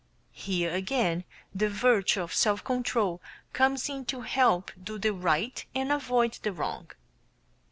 Here again the virtue of self control comes in to help do the right and avoid the wrong.